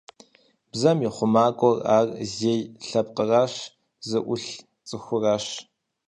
Бзэм и хъумакӀуэр ар зей лъэпкъыращ, зыӀурылъ цӀыхуращ.